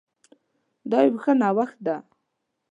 دا يو ښه نوښت ده